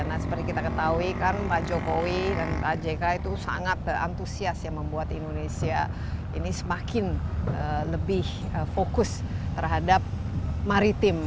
nah seperti kita ketahui kan pak jokowi dan pak jk itu sangat antusias ya membuat indonesia ini semakin lebih fokus terhadap maritim